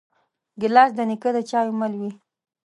ګیلاس د نیکه د چایو مل وي.